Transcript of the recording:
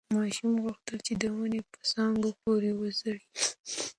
ماشوم غوښتل چې د ونې په څانګو پورې وځړېږي.